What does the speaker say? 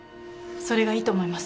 それがいいと思います。